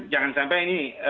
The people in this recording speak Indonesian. jangan sampai ini